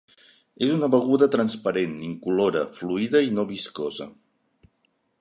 És una beguda transparent, incolora, fluida i no viscosa.